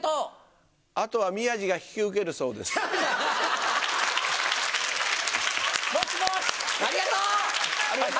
あとは宮治が引き受けるそうもしもし。